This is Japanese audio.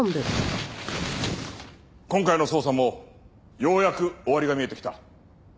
今回の捜査もようやく終わりが見えてきた。